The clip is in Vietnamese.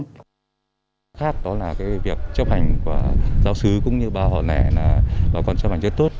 điều khác đó là việc chấp hành của giáo sư cũng như bà họ lẻ là bà con chấp hành rất tốt